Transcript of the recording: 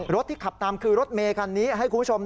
ที่ขับตามคือรถเมคันนี้ให้คุณผู้ชม